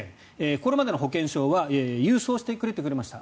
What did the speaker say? これまでの保険証は郵送してくれていました。